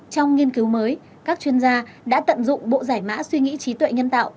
trong nghiên cứu mới các chuyên gia đã tận dụng bộ giải mã suy nghĩ trí tuệ nhân tạo